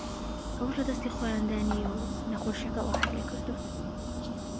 ئەوەش لەدەستی خۆیاندا نییە و نەخۆشییەکە وەهای لێکردوون